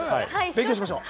勉強しましょう。